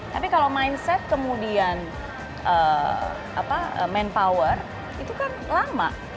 tapi kalau mindset kemudian manpower itu kan lama